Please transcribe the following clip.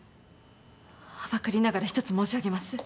はばかりながら一つ申し上げます。